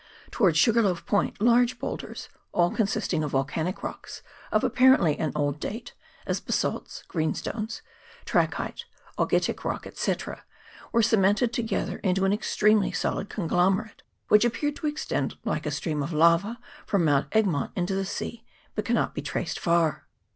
Towards Sugarloaf Point large boulders, all consisting of volcanic rocks of apparently an old date, as basalts, greenstones, trachyte, augitic rock, &c., were cemented together into an extremely solid conglomerate, which appeared to extend like a stream of lava from Mount Egmont into the sea, but can not be traced far.